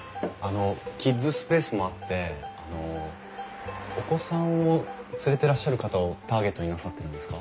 キッズスペースもあってお子さんを連れてらっしゃる方をターゲットになさってるんですか？